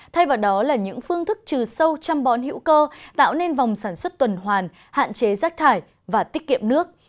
thay vào đó là những phương thức trừ sâu trăm bón hữu cơ tạo nên vòng sản xuất tuần hoàn hạn chế rác thải và tiết kiệm nước